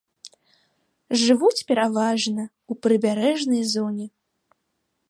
Жывуць пераважна ў прыбярэжнай зоне.